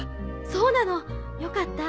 そうなのよかった。